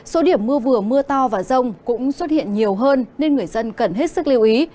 số điểm mưa vừa mưa to và rông cũng xuất hiện nhiều hơn nên người dân cần hết sức lưu ý